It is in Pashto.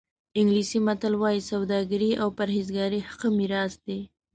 انګلیسي متل وایي سوداګري او پرهېزګاري ښه میراث دی.